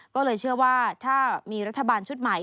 ก็เลยเชื่อว่าถ้ามีรัฐบาลชุดใหม่